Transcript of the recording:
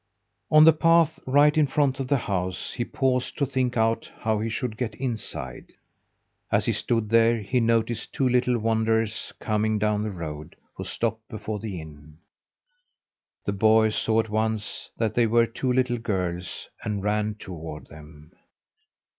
On the path right in front of the house he paused to think out how he should get inside. As he stood there he noticed two little wanderers coming down the road, who stopped before the inn. The boy saw at once that they were two little girls, and ran toward them.